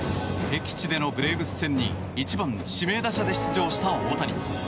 敵地でのブレーブス戦に１番指名打者で出場した大谷。